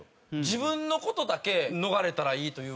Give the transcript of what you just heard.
自分の事だけ逃れたらいいというか。